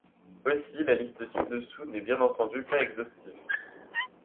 Aussi, la liste ci-dessous n'est bien entendu pas exhaustive.